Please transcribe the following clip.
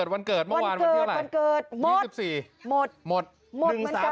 วันเกิดเมื่อวานวันที่อะไรหมด๒๔หมดหมดหมดหมดมันกัน